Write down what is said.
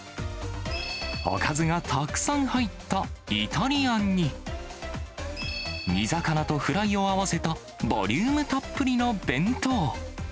おかずがたくさん入ったイタリアンに、煮魚とフライを合わせたボリュームたっぷりの弁当。